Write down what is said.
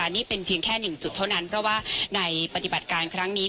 นี่เป็นเพียงแค่๑จุดเท่านั้นเพราะว่าในปฏิบัติการครั้งนี้